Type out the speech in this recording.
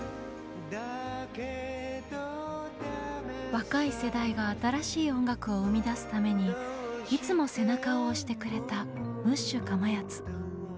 若い世代が新しい音楽を生み出すためにいつも背中を押してくれたムッシュかまやつ。